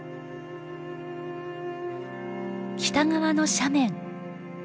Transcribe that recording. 北側の斜面。